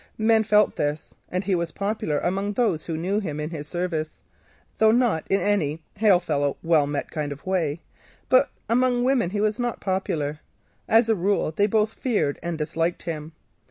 Men felt this, and he was popular among those who knew him in his service, though not in any hail fellow well met kind of way. But among women he was not popular. As a rule they both feared and disliked him.